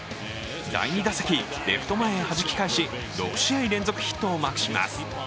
第２打席、レフト前へはじき返し、６試合連続ヒットをマークします。